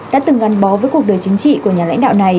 đã từng ngăn bó với cuộc đời chính trị của nhà lãnh đạo